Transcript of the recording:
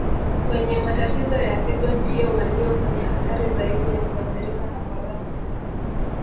Wenye matatizo ya Figo ndiyo walio kwenye hatari zaidi ya kuathirika na Corona